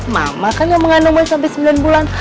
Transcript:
mama kan yang mengandung boy sampai sembilan bulan